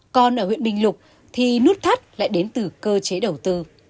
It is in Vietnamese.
còn ở huyện bình lục thì nút thắt lại đến từ cơ chế đầu tư